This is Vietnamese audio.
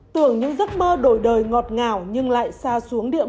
tưởng những giấc mơ đổi đời ngọt ngào nhưng lại xa xuống địa